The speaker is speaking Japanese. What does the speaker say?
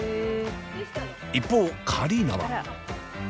一方カリーノは。